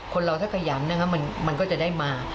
เราถ้าขยันนะครับมันก็จะได้มา